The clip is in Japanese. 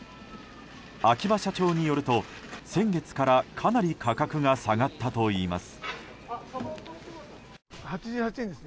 秋葉社長によると先月から、かなり価格が下がったといいます。